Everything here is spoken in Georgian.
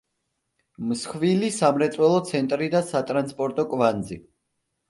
მსხვილი სამრეწველო ცენტრი და სატრანსპორტო კვანძი.